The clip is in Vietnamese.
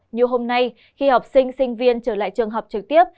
như hôm nay khi học sinh sinh viên trở lại trường học trực tiếp